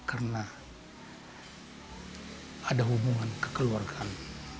karena ada hubungan kekeluargaan